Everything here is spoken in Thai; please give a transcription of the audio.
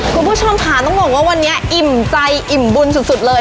คุณผู้ชมค่ะต้องบอกว่าวันนี้อิ่มใจอิ่มบุญสุดเลย